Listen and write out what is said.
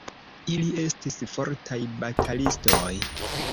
Ili estis fortaj batalistoj.